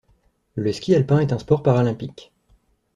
Le ski alpin est un sport paralympique.